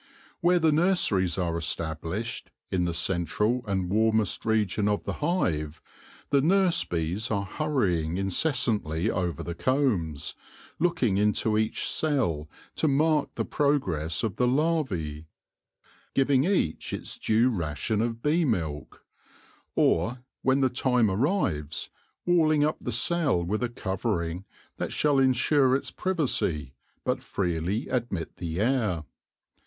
Where the nurseries are established, in the central and warmest region of the hive, the nurse bees are hurrying in cessantly over the combs, looking into each cell to mark the progress of the larvae ; giving each its due ration of bee milk ; or, when the time arrives, walling up the cell with a covering that shall insure its privacy, but freely admit the air.